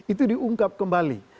itu diungkap kembali